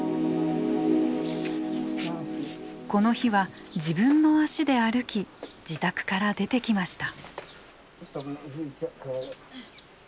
この日は自分の足で歩き自宅から出てきました。